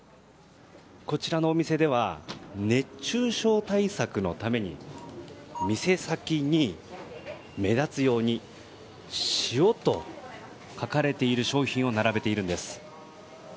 こちらのお店では熱中症対策のために店先に、目立つように塩と書かれている商品を並べているんです。